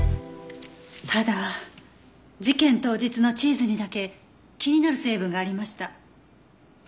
ただ事件当日のチーズにだけ気になる成分がありました。